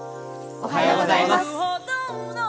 おはようございます。